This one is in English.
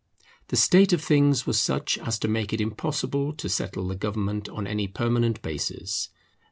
The state of things was such as to make it impossible to settle the government on any permanent basis.